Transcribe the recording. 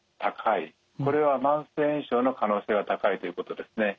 これは慢性炎症の可能性が高いということですね。